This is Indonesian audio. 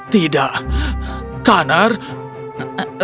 tidak ada anakku